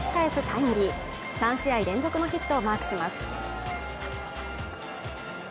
タイムリー３試合連続のヒットをマークします